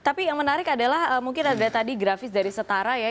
tapi yang menarik adalah mungkin ada tadi grafis dari setara ya